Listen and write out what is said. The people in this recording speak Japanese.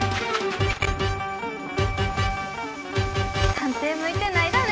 探偵向いてないだね！